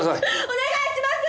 お願いします！